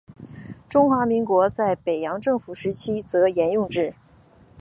中华民国在北洋政府时期则沿用之。